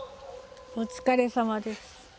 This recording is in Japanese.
お疲れさまです。